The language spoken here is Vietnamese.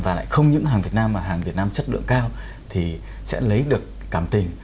và lại không những hàng việt nam mà hàng việt nam chất lượng cao thì sẽ lấy được cảm tình